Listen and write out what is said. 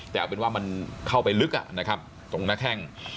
แต่เอาเป็นว่ามันเข้าไปลึกนะครับตรงหน้าแข้ง